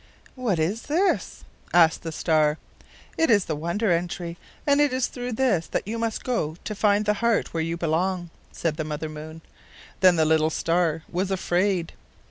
"What is this?" asked the star. "It is the Wonder Entry; and it is through this that you must go to find the heart where you belong," said the Mother Moon. Then the little star was afraid.